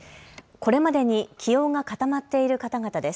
これまでに起用が固まっている方々です。